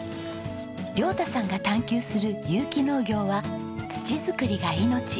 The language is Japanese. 亮太さんが探究する有機農業は土作りが命。